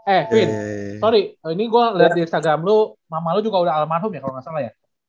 eh quinn sorry ini gue liat di instagram lu mama lu juga udah almarhum ya kalo gak salah ya